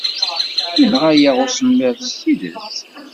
Yenɣa-aɣ usemmiḍ s tidet.